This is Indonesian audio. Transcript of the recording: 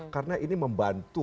karena ini membantu